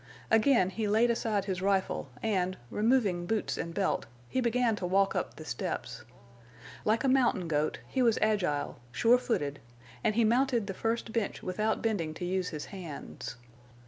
Again he laid aside his rifle, and, removing boots and belt, he began to walk up the steps. Like a mountain goat, he was agile, sure footed, and he mounted the first bench without bending to use his hands.